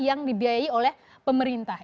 yang dibiayai oleh pemerintah